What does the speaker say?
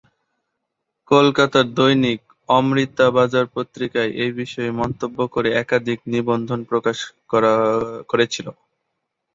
কলকাতা দৈনিক "অমৃতা বাজার পত্রিকা" এই বিষয়ে মন্তব্য করে একাধিক নিবন্ধ প্রকাশ করেছিল।